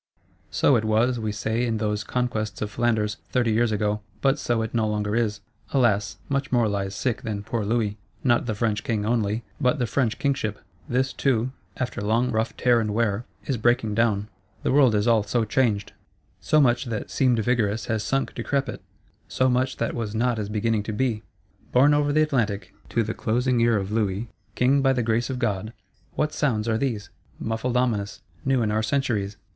So it was, we say, in those conquests of Flanders, thirty years ago: but so it no longer is. Alas, much more lies sick than poor Louis: not the French King only, but the French Kingship; this too, after long rough tear and wear, is breaking down. The world is all so changed; so much that seemed vigorous has sunk decrepit, so much that was not is beginning to be!—Borne over the Atlantic, to the closing ear of Louis, King by the Grace of God, what sounds are these; muffled ominous, new in our centuries?